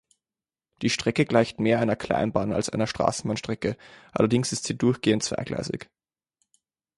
Die Strecke gleicht mehr einer Kleinbahn- als einer Straßenbahnstrecke, allerdings ist sie durchgehend zweigleisig.